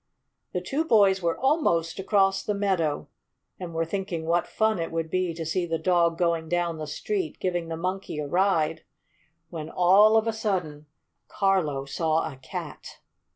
The two boys were almost across the meadow, and were thinking what fun it would be to see the dog going down the street, giving the Monkey a ride, when, all of a sudden, Carlo saw a cat.